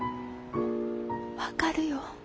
分かるよ。